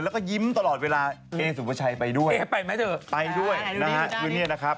ไปด้วยนะครับดูเนี่ยนะครับ